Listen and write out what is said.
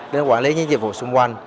đến quản lý những dịch vụ xung quanh